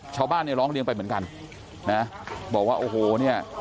ชาวบ้านเนี่ยร้องเรียนไปเหมือนกันนะบอกว่าโอ้โหเนี่ย